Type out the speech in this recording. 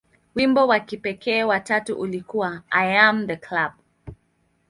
Wimbo wa kipekee wa tatu ulikuwa "I Am The Club".